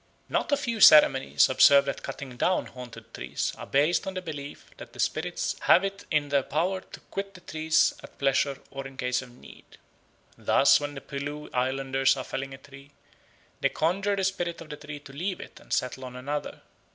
Not a few ceremonies observed at cutting down haunted trees are based on the belief that the spirits have it in their power to quit the trees at pleasure or in case of need. Thus when the Pelew Islanders are felling a tree, they conjure the spirit of the tree to leave it and settle on another.